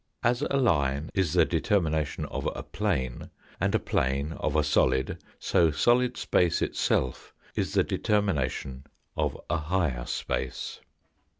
As a line is the determination of a plane, and a plane of a solid, so solid space itself is the determination of a higher space.